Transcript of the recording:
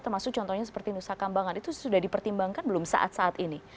termasuk contohnya seperti nusa kambangan itu sudah dipertimbangkan belum saat saat ini